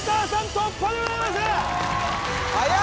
突破でございますはやい！